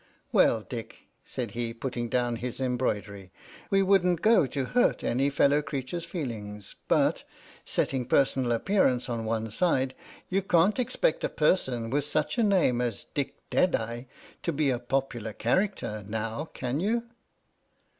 " Well, Dick," said he, putting down his em broidery, " we wouldn't go to hurt any fellow crea ture's feelings, but, setting personal appearance on one side, you can't expect a person with such a name as ' Dick Deadeye' to be a popular character — now, can you?"